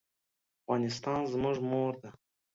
افغانستان زموږ مور ده